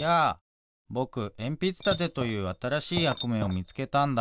ぼくえんぴつたてというあたらしいやくめをみつけたんだ。